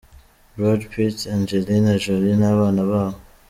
Brad Pitt, Angelina Jolie n'abana babo.